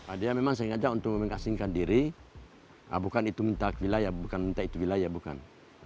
ada memang sengaja untuk mengasingkan diri bukan itu minta wilayah bukan minta itu wilayah bukan